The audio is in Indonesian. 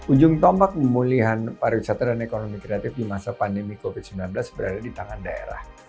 ujung tombak pemulihan pariwisata dan ekonomi kreatif di masa pandemi covid sembilan belas berada di tangan daerah